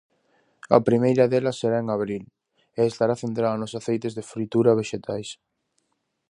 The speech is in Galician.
A primeira delas será en abril, e estará centrada nos aceites de fritura vexetais.